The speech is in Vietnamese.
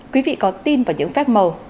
quý vị có tin vào những phép màu